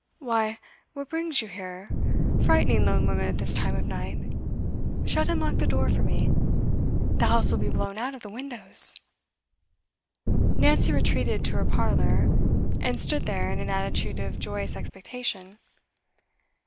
'Why, what brings you here, frightening lone women at this time of night? Shut and lock the door for me. The house will be blown out of the windows.' Nancy retreated to her parlour, and stood there in an attitude of joyous expectation.